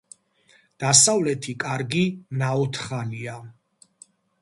დასავლეთი კარი ნაოთხალია.